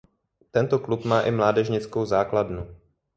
Tento klub má i mládežnickou základnu.